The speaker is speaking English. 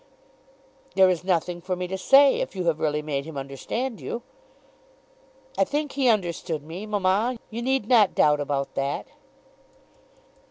"There is nothing for me to say if you have really made him understand you." "I think he understood me, mamma. You need not doubt about that."